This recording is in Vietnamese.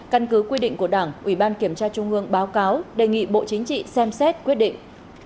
căn cứ quy định của đảng ủy ban kiểm tra trung ương báo cáo đề nghị bộ chính trị xem xét quyết định